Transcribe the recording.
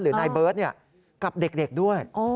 นายเบิร์ตกับเด็กด้วย